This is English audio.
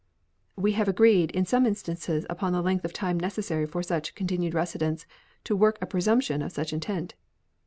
We have agreed in some instances upon the length of time necessary for such continued residence to work a presumption of such intent.